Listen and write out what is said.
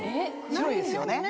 白いですよね。